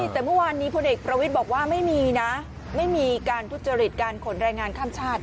แต่เมื่อวานนี้พลเอกประวิทย์บอกว่าไม่มีนะไม่มีการทุจริตการขนแรงงานข้ามชาติ